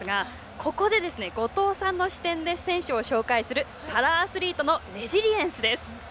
ここで、後藤さんの視点で選手を紹介するパラアスリートのレジリエンスです。